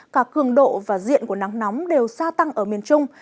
cả cường độ và diện của nắng nóng đều gia tăng ở miền trung